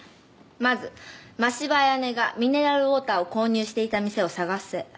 まず真柴綾音がミネラルウオーターを購入していた店を探せ。